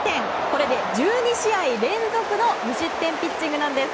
これで１２試合連続の無失点ピッチングなんです。